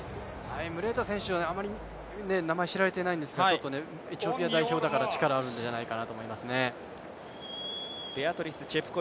ムレータ選手はあまり名前は知られていないんですが、エチオピア代表ですから力があるんじゃないかなと思います。